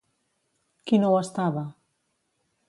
Qui no ho estava?